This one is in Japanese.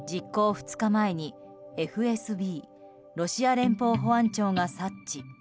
２日前にＦＳＢ・ロシア連邦保安庁が察知。